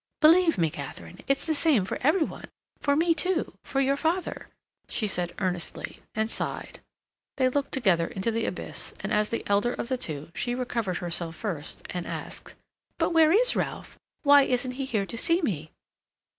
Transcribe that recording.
"Believe me, Katharine, it's the same for every one—for me, too—for your father," she said earnestly, and sighed. They looked together into the abyss and, as the elder of the two, she recovered herself first and asked: "But where is Ralph? Why isn't he here to see me?"